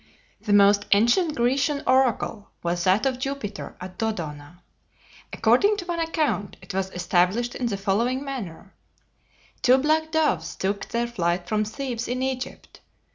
The most ancient Grecian oracle was that of Jupiter at Dodona. According to one account, it was established in the following manner: Two black doves took their flight from Thebes in Egypt.